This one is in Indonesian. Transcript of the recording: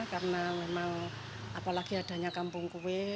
karena memang apalagi adanya kampung kue